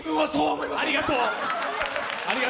ありがとう。